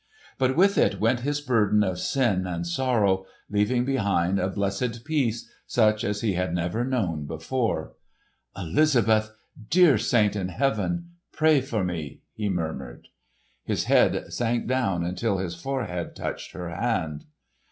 But with it went his burden of sin and sorrow, leaving behind a blessed peace such as he had never known before. "Elizabeth—dear saint in heaven—pray for me!" he murmured. His head sank down until his forehead touched her hand.